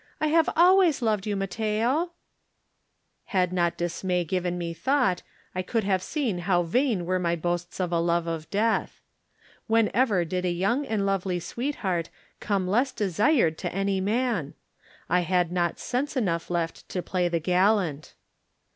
I have always loved you, Matteo.'* Had not dismay given me thought, I could have seen how vain were my boasts of a love of death. When ever did a young and lovely sweetheart come less desired to any man? I had not sense enough left to play the gallant.